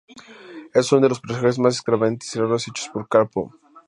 Es uno de los personajes más extravagantes y raros hechos por Capcom.